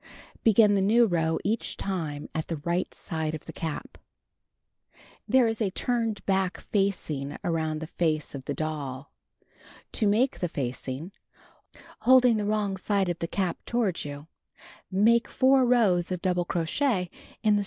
Begin the new row each time at the right side of the cap. 238 Knitting and Crocheting Book There is u turnocl back facing around the face of the doll. To Make the Facing: Holding the wrong side of the cap toward you, make 4 rows of double crochet in the